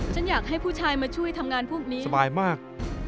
ฉันอยากให้ผู้ชายมาช่วยทำงานพวกนี้สบายมาก